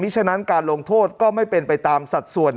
ฉะนั้นการลงโทษก็ไม่เป็นไปตามสัดส่วน